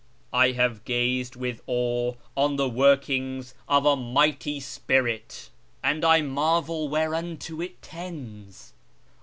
I have gazed with awe on the workings of a mighty Spirit, and I marvel whereunto it tends.